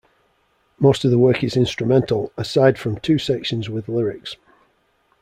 Most of the work is instrumental, aside from two sections with lyrics.